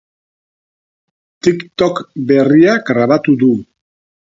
Tiktok berria grabatu du.